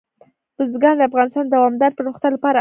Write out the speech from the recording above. بزګان د افغانستان د دوامداره پرمختګ لپاره اړین دي.